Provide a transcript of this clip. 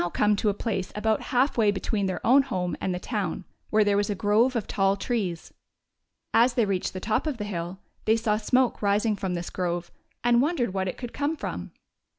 43, HOME OF HELEN AND CHRISTOPHER to a place about lialf way between their own home and the town, where there was a grove of tall trees. As they reached the top of the hill, they saw smoke rising from this grove, and won dered what it could come from.